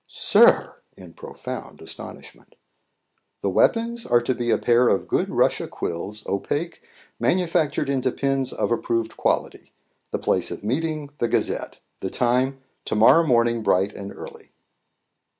"Sir!" in profound astonishment. "The weapons are to be a pair of good Russia quills, opaque, manufactured into pens of approved quality. The place of meeting, the mdash; Gazette; the time, to morrow morning, bright and early."